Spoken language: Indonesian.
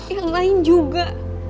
yang lain juga